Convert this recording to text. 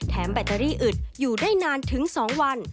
แบตเตอรี่อึดอยู่ได้นานถึง๒วัน